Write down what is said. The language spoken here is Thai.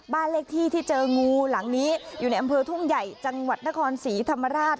บ้านเลขที่ที่เจองูหลังนี้อยู่ในอำเภอทุ่งใหญ่จังหวัดนครศรีธรรมราช